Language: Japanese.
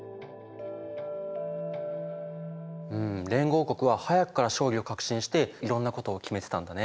連合国は早くから勝利を確信していろんなことを決めてたんだね。